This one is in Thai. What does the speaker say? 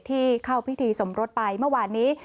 ที่เข้าพิธีสมรสไปเมื่อวานนี้